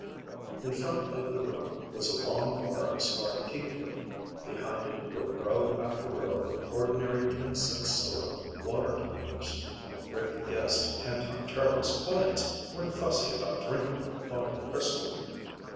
In front of the room was a long bar of scarred teak wood. Behind it were row after row of ordinary ten cent store water tumblers. Rick guessed Canton Charlie's clients weren't fussy about drinking from fine crystal.